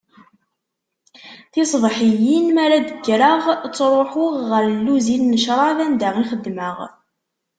Tiṣebḥiyin mi ara d-kkreɣ, ttruḥuɣ ɣer lluzin n ccrab anda i xeddmeɣ.